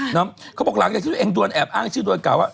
เขาบอกหลังที่ตัวเองแอบอ้างชื่อดวนเก่า